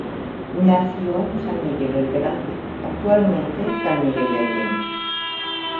Nació en San Miguel el Grande, actualmente San Miguel de Allende.